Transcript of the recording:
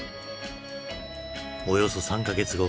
およそ３か月後。